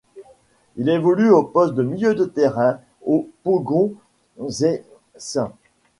Il évolue au poste de milieu de terrain au Pogoń Szczecin.